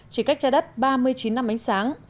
chỉ cách trái đất ba mươi chín năm ánh sáng